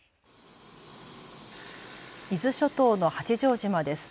伊豆諸島の八丈島です。